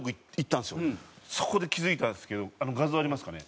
そこで気付いたんですけど画像ありますかね？